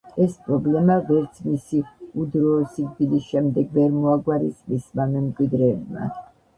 ეს პრობლემა ვერც მისი უდროო სიკვდილის შემდეგ ვერ მოაგვარეს მისმა მემკვიდრეებმა.